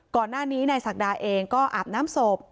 ก่อนหน้านี้นายศักดาเองก็อาบน้ำศพ